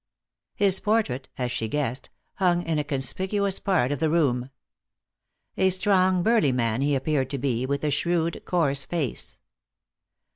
His portrait as she guessed hung in a conspicuous part of the room. A strong, burly man he appeared to be, with a shrewd, coarse face.